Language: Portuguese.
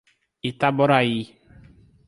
Itaboraí